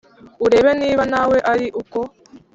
urebe niba nawe ari uko